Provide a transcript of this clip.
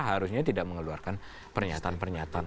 harusnya tidak mengeluarkan pernyataan pernyataan